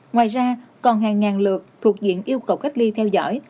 ngoài ra còn hàng ngàn lượt thuộc diện yêu cầu cách ly theo dõi